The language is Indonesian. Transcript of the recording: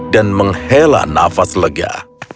dan menghela nafas lega